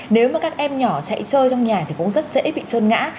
nếu mà các em nhỏ chạy chơi trong nhà thì cũng rất dễ bị trơn ngã